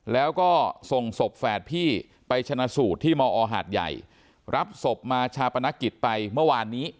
แล้วก็ส่งศพแฝดพี่ไปชนะสูตรที่มอหาดใหญ่รับศพมาชาปนกิจไปเมื่อวานนี้